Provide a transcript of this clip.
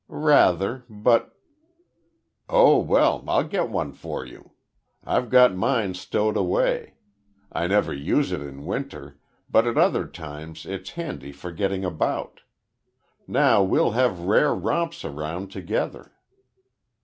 "Rather, but " "Oh well, I'll get one for you. I've got mine stowed away. I never use it in winter, but at other times it's handy forgetting about. Now we'll have rare romps around together."